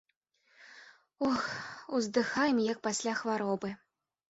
Ох, уздыхаем, як пасля хваробы.